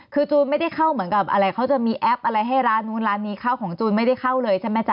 คือจูนไม่ได้เข้าเหมือนกับอะไรเขาจะมีแอปอะไรให้ร้านนู้นร้านนี้เข้าของจูนไม่ได้เข้าเลยใช่ไหมจ๊